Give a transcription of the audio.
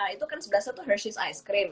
itu kan sebelah satu hershey's ice cream